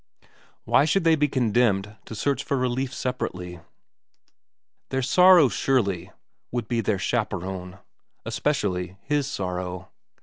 Why should they be condemned to search for relief separately ? Their sorrows, surely, would be their chaperone, es pecially his sorrow.